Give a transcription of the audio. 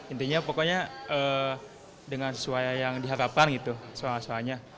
intinya pokoknya dengan sesuai yang diharapkan gitu soal soalnya